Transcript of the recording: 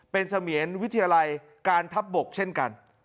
เป็นเสมียนวิทยาลัยการทัพบกเช่นกัน